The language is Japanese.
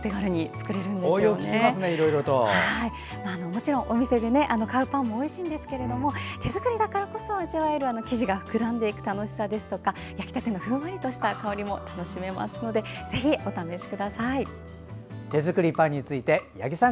もちろんお店で買うパンもおいしいのですが手作りだからこそ味わえる生地が膨らんでいく楽しさや焼きたての香りを楽しめますのでぜひ試してみてください。